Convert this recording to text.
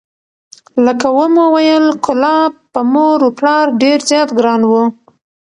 لکه ومو ویل کلاب په مور و پلار ډېر زیات ګران و،